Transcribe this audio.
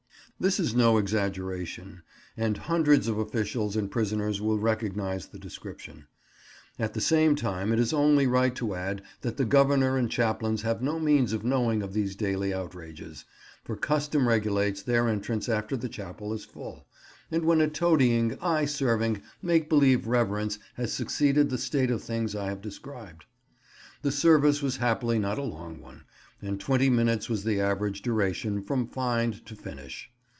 This is no exaggeration, and hundreds of officials and prisoners will recognize the description. At the same time it is only right to add that the Governor and chaplains have no means of knowing of these daily outrages, for custom regulates their entrance after the chapel is full, and when a toadying, eye serving, make believe reverence has succeeded the state of things I have described. The service was happily not a long one, and twenty minutes was the average duration from find to finish.